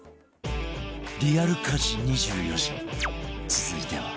リアル家事２４時続いては